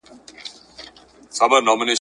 د پاکوالي اهمیت په کور کي زده کېږي.